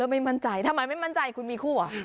ไม่มั่นใจทำไมไม่มั่นใจคุณมีคู่เหรอ